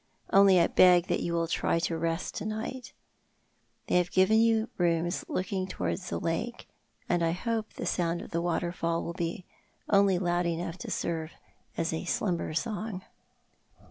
Only I beg that you will try to rest to ivlght. They have given you rooms looking towards the lake, and I hope the sound of the waterfall will be only loud enough to serve as a slumber song."